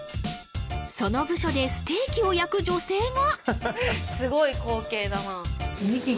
その部署でステーキを焼く女性が！